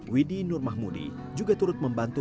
widhi nurmahmudi juga turut membantu